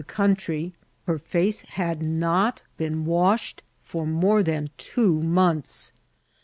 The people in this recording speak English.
the eoimtrj, her hce had not been washed for moffo tiian two months